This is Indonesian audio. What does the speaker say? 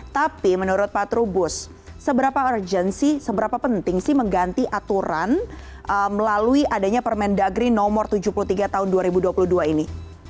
tapi menurut pak trubus seberapa urgent sih seberapa penting sih mengganti aturan melalui adanya permendagri nomor tujuh puluh tiga tahun dua ribu dua puluh dua ini